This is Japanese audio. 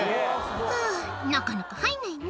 「ふぅなかなか入んないな」